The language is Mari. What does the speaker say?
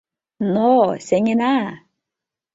— Но-о, сеҥена!